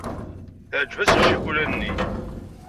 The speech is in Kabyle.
Teɛjeb-asen ccikula-nni.